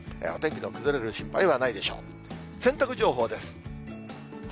お天気の崩れる心配はないでしょう。